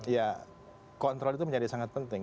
ya kontrol itu menjadi sangat penting